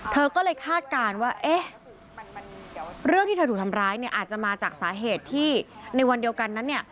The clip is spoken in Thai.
เธอก็เลยคาดการณ์ว่าเอ๊ะเรื่องที่เธอถูกทำร้ายเนี่ยอาจจะมาจากสาเหตุที่ในวันเดียวกันนั้นเนี่ย